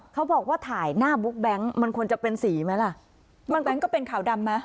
เขาบอกว่าถ่ายหน้าบุ๊กแก๊งมันควรจะเป็นสีไหมล่ะบางแบงค์ก็เป็นขาวดำไหม